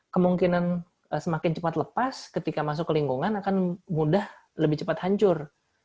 kemungkinan semakin cepat lepas ketika masuk ke lingkungan akan mudah lebih cepat hancur